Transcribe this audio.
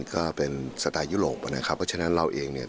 ก็เป็นสไตล์ยุโรปนะครับเพราะฉะนั้นเราเองเนี่ย